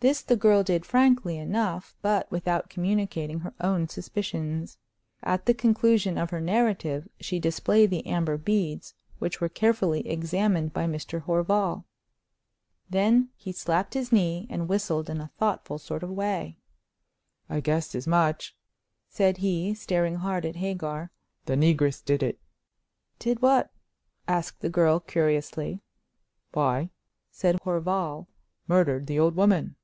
This the girl did frankly enough, but without communicating her own suspicions. At the conclusion of her narrative she displayed the amber beads, which were carefully examined by Mr. Horval. Then he slapped his knee, and whistled in a thoughtful sort of way. "I guessed as much," said he, staring hard at Hagar. "The negress did it." "Did what?" asked the girl, curiously. "Why," said Horval, "murdered the old woman."